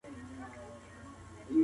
که پوهه ولرو نو سم قضاوت کولای شو.